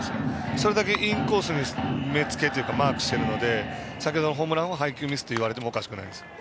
それだけインコースに目付けというかマークをしてるので先ほどのホームランは配球ミスといわれてもおかしくないですね。